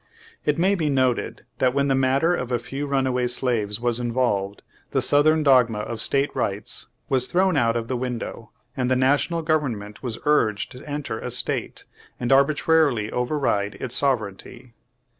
It may be noted that when the matter of a few run away slaves was involved, the southern dogma of state rights was throvvnn out of the window, and the National Government was urged to enter a state, and arbitrarily over ride its sovereignty.